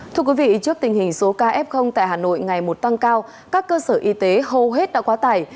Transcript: thưa quý vị trước tình hình số ca f tại hà nội ngày một tăng cao các cơ sở y tế hầu hết đã quá tải